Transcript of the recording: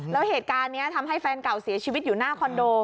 แล้วเหตุการณ์นี้ทำให้แฟนเก่าเสียชีวิตอยู่หน้าคอนโด